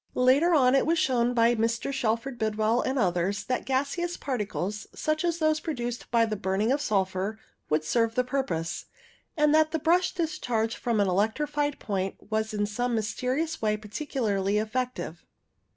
Later on it was shown by Mr. Shelford Bidwell and others that gaseous particles, such as those produced by the burning of sulphur, would serve the purpose, and that the brush discharge from an electrified point was in some mysterious way particularly effective.